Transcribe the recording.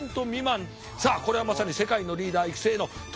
さあこれはまさに世界のリーダー育成の虎の穴状態。